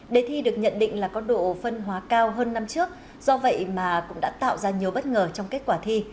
đề thi được nhận định là có độ phân hóa cao hơn năm trước do vậy mà cũng đã tạo ra nhiều bất ngờ trong kết quả thi